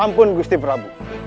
ampun gusti prabu